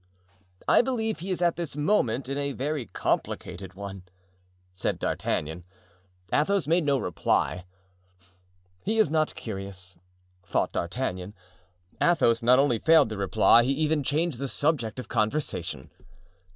"I believe he is at this moment in a very complicated one," said D'Artagnan. Athos made no reply. "He is not curious," thought D'Artagnan. Athos not only failed to reply, he even changed the subject of conversation.